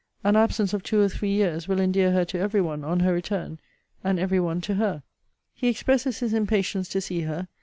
An absence of two or three years will endear her to every one, on her return, and every one to her. 'He expresses his impatience to see her.